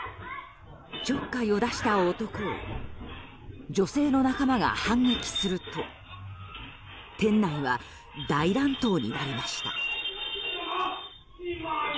ちょっかいを出した男を女性の仲間が反撃すると店内は大乱闘になりました。